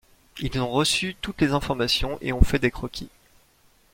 Ils ont reçu toutes les informations et ont fait des croquis.